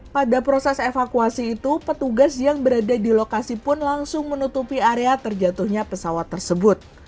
pada proses evakuasi itu petugas yang berada di lokasi pun langsung menutupi area terjatuhnya pesawat tersebut